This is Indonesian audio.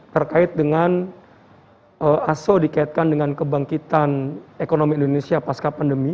terkait dengan aso dikaitkan dengan kebangkitan ekonomi indonesia pasca pandemi